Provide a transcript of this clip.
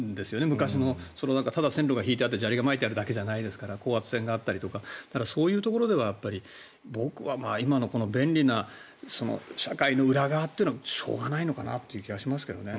昔のただ線路が引いてあって砂利があるわけではないですから高圧線があったりとかそういうところで僕は今の便利な社会の裏側っていうのはしょうがないのかなっていう気がしますけどね。